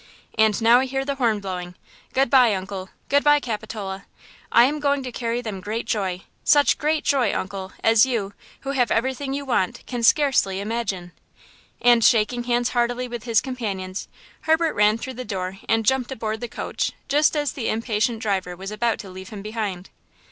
And now I hear the horn blowing–good by, uncle; good by, Capitola. I am going to carry them great joy–such great joy, uncle, as you, who have everything you want, can scarcely imagine." And, shaking hands heartily with his companions, Herbert ran through the door and jumped aboard the coach just as the impatient driver was about to leave him behind.